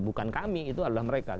bukan kami itu adalah mereka